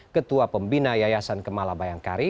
ketua pembina yayasan kemala bayangkari